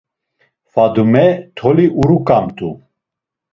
Fadume toli uruǩamt̆u.